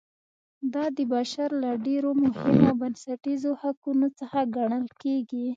دا د بشر له ډېرو مهمو او بنسټیزو حقونو څخه ګڼل کیږي.